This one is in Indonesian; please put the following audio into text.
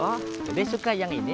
oh jadi suka yang ini